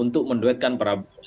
untuk menghubungkan para penyelesaian